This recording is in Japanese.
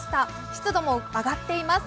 湿度も上がっています。